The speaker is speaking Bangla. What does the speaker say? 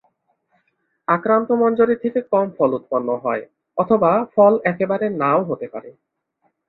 আক্রান্ত মঞ্জরি থেকে কম ফল উৎপন্ন হয় অথবা ফল একেবারে নাও হতে পারে।